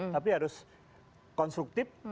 tapi harus konstruktif